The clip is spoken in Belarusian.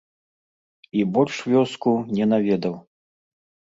І больш вёску не наведаў.